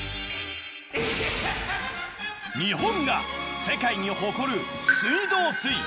日本が世界に誇る水道水。